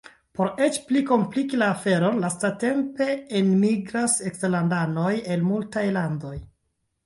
Por eĉ pli kompliki la aferon, lastatempe enmigras eksterlandanoj el multaj landoj.